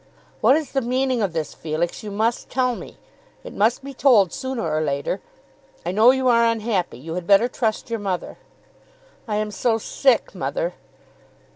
"What is the meaning of this, Felix? You must tell me. It must be told sooner or later. I know you are unhappy. You had better trust your mother." "I am so sick, mother."